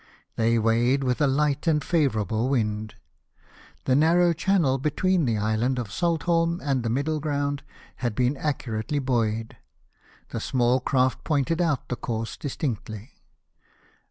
They weighed with a hght and favourable wind ; the narrow channel between the island of Saltholm and the Middle Ground had been accurately buoyed ; the small craft pointed out the course distinctly.